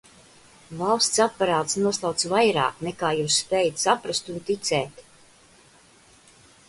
Valsts aparāts noslauc vairāk, nekā jūs spējat saprast un ticēt!